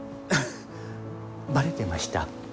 バレてました？